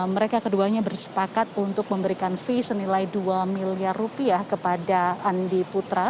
mereka keduanya bersepakat untuk memberikan fee senilai dua miliar rupiah kepada andi putra